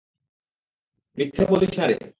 মিথ্যে বলিস না রে!